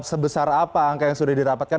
sebesar apa angka yang sudah dirapatkan